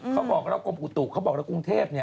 เขาบอกแล้วกรุงประตุกอย่างกรุงเทพฯ